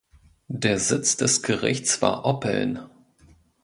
Der Sitz des Gerichts war Oppeln.